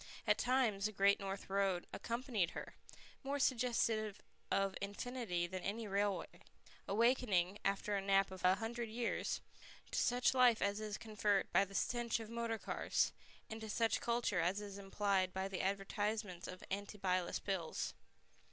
At times the Great North Road accompanied her, more suggestive of infinity than any railway, awakening, after a nap of a hundred years, to such life as is conferred by the stench of motor cars, and to such culture as is implied by the advertisements of antibilious pills.